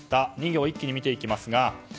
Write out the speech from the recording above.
２行、一気に見ていきます。